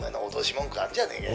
文句あるじゃねえかよ。